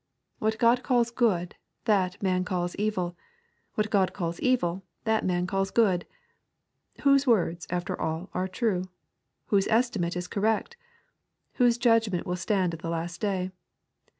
What God calls good, that man calls evil 1 What God calls evil, that man calls good ! Whose words, after all, are true ? Whose estimate is correct ? Whose judgment will stand at the last day